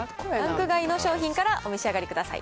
それではランク外の商品からお召し上がりください。